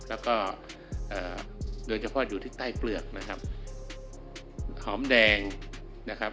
แล้วก็โดยเฉพาะอยู่ที่ใต้เปลือกนะครับหอมแดงนะครับ